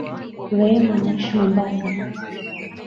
Rehema anaishi Mombasa